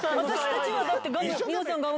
私たちはだって、美穂さん